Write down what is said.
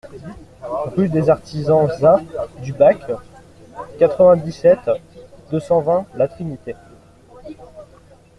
Rue des Artisans-Za du Bac, quatre-vingt-dix-sept, deux cent vingt La Trinité